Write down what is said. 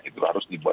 itu harus dibuat